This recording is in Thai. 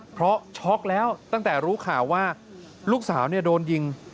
เพราะช็อกแล้วตั้งแต่รู้ข่าวว่าลูกสาวโดนยิง